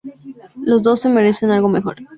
Los dos se merecen algo mejor".